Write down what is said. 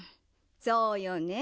そうよね